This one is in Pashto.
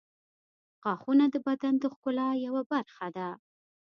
• غاښونه د بدن د ښکلا یوه برخه ده.